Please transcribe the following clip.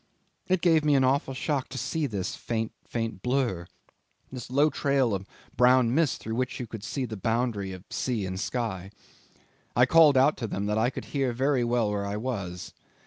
'"It gave me an awful shock to see this faint, faint blur, this low trail of brown mist through which you could see the boundary of sea and sky. I called out to them that I could hear very well where I was.